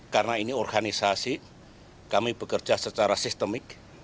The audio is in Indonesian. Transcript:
karena ini organisasi kami bekerja secara sistemik